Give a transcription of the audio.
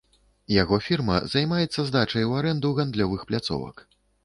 Яго фірма займаецца здачай у арэнду гандлёвых пляцовак.